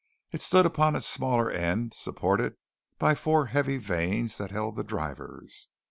It stood upon its smaller end, supported by four heavy vanes that held the drivers.